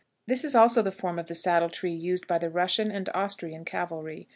This is also the form of the saddle tree used by the Russian and Austrian cavalry.